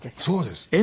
そうです。